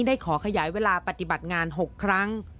ได้ขอขยายเวลาปฏิบัติงาน๖ครั้ง